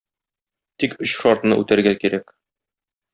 Тик өч шартны үтәргә кирәк.